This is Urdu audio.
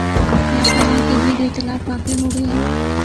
یا فلاں کی دی گئی طلاق واقع ہو گئی ہے